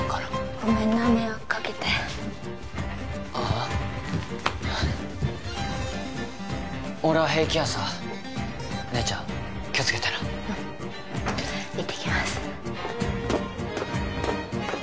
ごめんな迷惑かけてううん俺は平気やさ姉ちゃん気をつけてなうん行ってきます